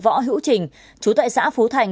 võ hữu trình chú tại xã phú thành